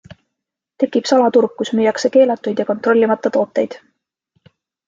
Tekib salaturg, kus müüakse keelatuid ja kontrollimata tooteid.